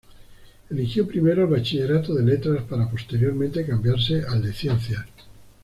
Eligió primero el Bachillerato de Letras, para posteriormente cambiarse al de Ciencias.